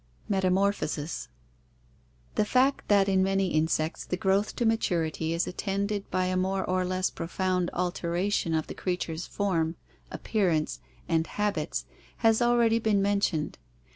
Metamorphosis. — The fact that in many insects the growth to maturity is attended by a more or less profound alteration of the creature's form, appearance, and habits, has already been men tioned.